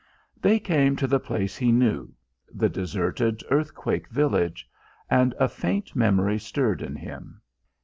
They came to the place he knew the deserted earthquake village and a faint memory stirred in him.